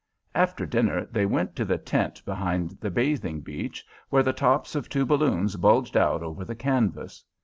After dinner they went to the tent behind the bathing beach, where the tops of two balloons bulged out over the canvas.